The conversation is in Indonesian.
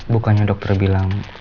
bukannya dokter bilang